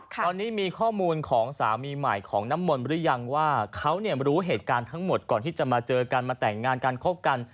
ตอนนี้มีข้อมูลของสามีใหม่ของน้ำมนต์หรือยังว่าเขารู้เหตุการณ์ทั้งหมดก่อนที่จะมาเจอกันมาแต่งงานกันคบกัน